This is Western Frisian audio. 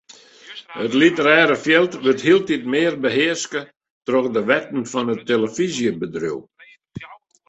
It literêre fjild wurdt hieltyd mear behearske troch de wetten fan it telefyzjebedriuw.